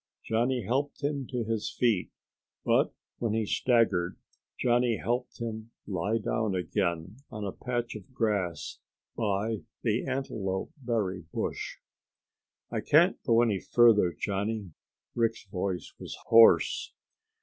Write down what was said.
Johnny helped him to his feet, but when he staggered, Johnny helped him lie down again on a patch of grass by the antelope berry bush. "I can't go any farther, Johnny." Rick's voice was hoarse.